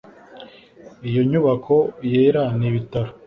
Iyo nyubako yera ni ibitaro